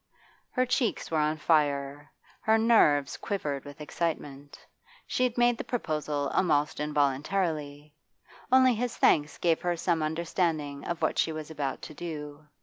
Her cheeks were on fire; her nerves quivered with excitement. She had made the proposal almost involuntarily; only his thanks gave her some understanding of what she was about to do.